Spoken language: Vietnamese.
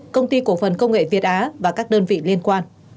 công ty cổ phần công nghệ việt á và các đơn vị liên quan